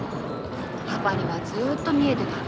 パパにはずっとみえてた。